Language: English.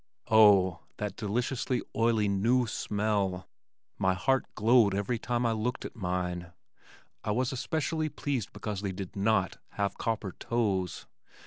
Oh! that deliciously oily new smell! My heart glowed every time I looked at mine. I was especially pleased because they did not have copper toes.